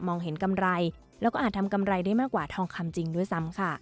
เห็นกำไรแล้วก็อาจทำกำไรได้มากกว่าทองคำจริงด้วยซ้ำค่ะ